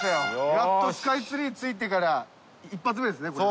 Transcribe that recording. やっとスカイツリーに着いてから一発目ですねこれ。